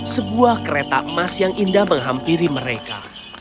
sebuah kereta emas yang indah menghampiri mereka